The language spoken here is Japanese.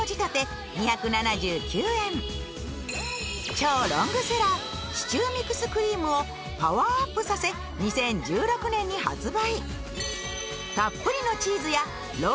超ロングセラー、シチューミクスクリームをパワーアップさせ２０１６年に発売。